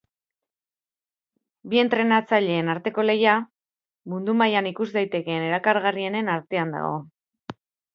Bi entrenatzaileen arteko lehia, mundu mailan ikus daitekeen erakargarrienen artean dago.